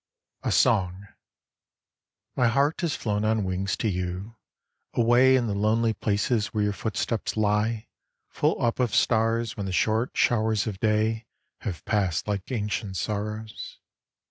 A SONG My heart has flown on wings to you, away In the lonely places where your footsteps lie Full up of stars when the short showers of day Have passed like ancient sorrows.